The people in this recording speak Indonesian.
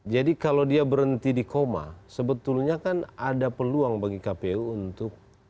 jadi kalau dia berhenti di koma sebetulnya kan ada peluang bagi kpu untuk